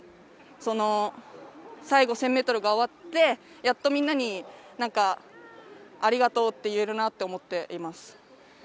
最後、１０００ｍが終わってやっとみんなにありがとうって言えるなと思っています。